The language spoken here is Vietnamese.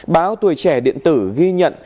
báo tuổi trẻ điện tử ghi nhận